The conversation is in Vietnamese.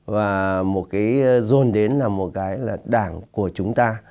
và một cái dồn đến là một cái là đảng của chúng ta